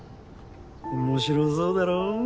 面白そうだろ？